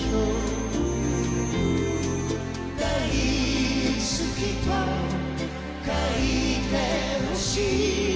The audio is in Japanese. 「大好きと書いてほしい」